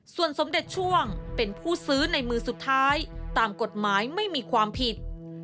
ส่วนสมเด็จช่วงเป็นผู้ซื้อในมือสุดท้ายตามกฎหมายไม่มีความผิด